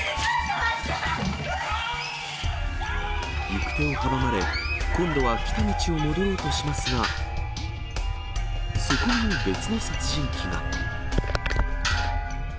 行く手を阻まれ、今度は来た道を戻ろうとしますが、そこにも別の殺人鬼が。